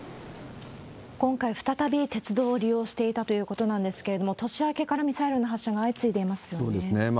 今回、再び鉄道を利用していたということなんですけれども、年明けからミサイルの発射が相次いでいますよね。